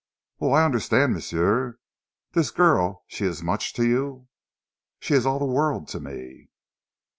"Oui, I understand, m'sieu. Dis girl she ees mooch to you?" "She is all the world to me."